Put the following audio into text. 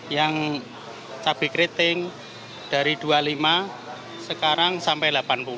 yang cabai keriting dari rp dua puluh lima sekarang sampai delapan puluh